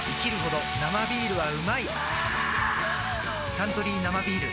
「サントリー生ビール」